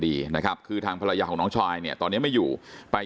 ดีนะครับคือทางภรรยาของน้องชายเนี่ยตอนนี้ไม่อยู่ไป